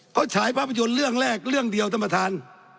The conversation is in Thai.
เขาฉายภาพยนตร์เรื่องแรกเรื่องเดียวท่านประธาน